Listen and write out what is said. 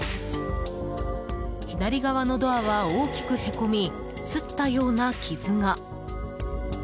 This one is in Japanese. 左側のドアは大きくへこみすったような傷が。